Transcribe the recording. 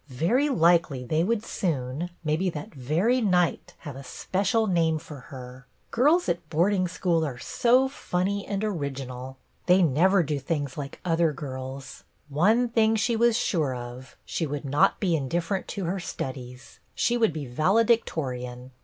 '* Very likely they would soon, maybe that very night, have a special name for her; girls at hoarding school are so funny and original ! 20 BETTY BAIRD They never do things like other girls. One thing she was sure of, she would not be indifferent to her studies. She would be valedictorian.